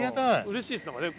うれしいです何かね